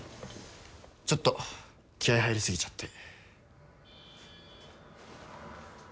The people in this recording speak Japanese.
ちょっと気合入り過ぎちゃって。